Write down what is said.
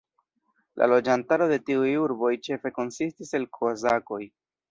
La loĝantaro de tiuj urboj ĉefe konsistis el kozakoj.